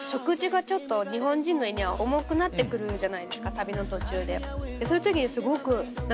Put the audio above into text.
旅の途中で。